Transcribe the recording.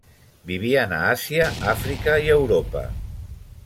Vivien a Àsia, Àfrica i Europa.